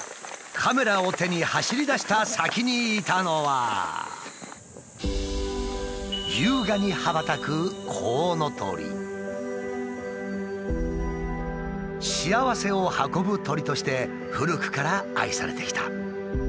カメラを手に走り出した先にいたのは優雅に羽ばたく幸せを運ぶ鳥として古くから愛されてきた。